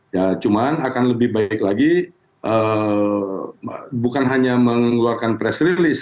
ya cuman akan lebih baik lagi bukan hanya mengeluarkan press release